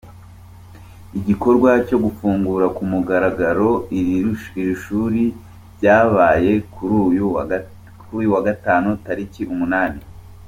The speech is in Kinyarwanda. Igikorwa cyo gufungura ku mugaragaro iri shuri cyabaye kuri uyu wa Gatanu tariki umunane.